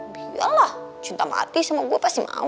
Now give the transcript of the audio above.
biarlah cinta mati sama gue pasti mau